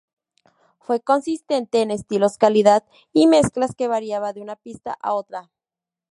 Fue consistente en estilos calidad y mezclas que variaba de una pista a otra.